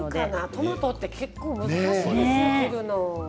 トマト切るの結構、難しいですよ。